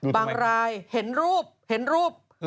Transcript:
รายเห็นรูปเห็นรูป